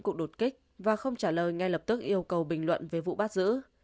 cuộc đột kích và không trả lời ngay lập tức yêu cầu bình luận về vụ bắt giữ